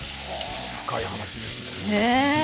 深い話ですね。